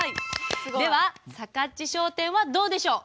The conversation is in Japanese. ではさかっち商店はどうでしょう。